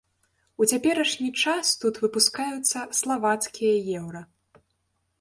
У цяперашні час тут выпускаюцца славацкія еўра.